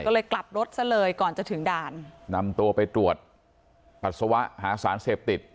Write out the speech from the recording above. ก็เลยกลับรถซะเลยก่อนจะถึงด่านนำตัวไปตรวจปัสสาวะหาสารเสพติด